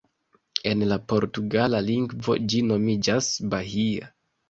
En la portugala lingvo, ĝi nomiĝas "Bahia".